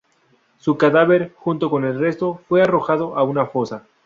Su cadáver, junto con el resto, fue arrojado a una fosa.